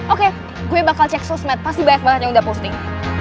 oke gue bakal cek sosmed pasti banyak banget yang udah posting